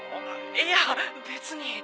いや別に。